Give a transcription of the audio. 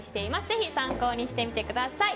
ぜひ参考にしてみてください。